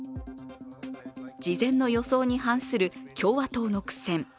事前の予想に反する共和党の苦戦。